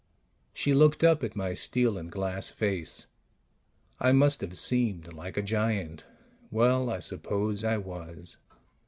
She looked up at my steel and glass face; I must have seemed like a giant. Well, I suppose I was.